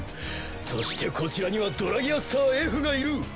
そしてこちらにはドラギアスターＦがいる。